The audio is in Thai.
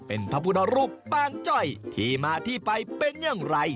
เป็นพระพุทธรูปปางจ้อยที่มาที่ไปเป็นอย่างไร